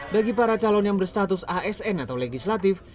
bagi para calon yang berstatus asn atau legislatif